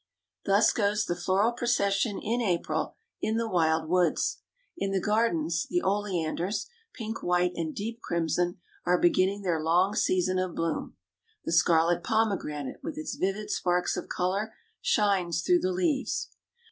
Thus goes the floral procession in April in the wild woods. In the gardens, the oleanders, pink, white, and deep crimson, are beginning their long season of bloom. The scarlet pomegranate, with its vivid sparks of color, shines through the leaves.